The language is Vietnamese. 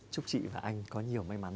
chúc chị và anh có nhiều may mắn nhé